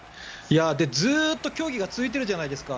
ずっと競技が続いてるじゃないですか。